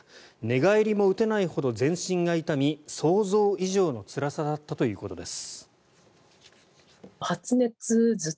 寝返りも打てないほど全身が痛み想像以上のつらさだったということです。